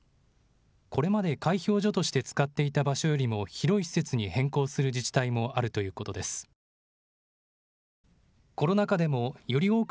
これまで開票所として使っていた場所よりも広い施設に変更する自治体もあるということです。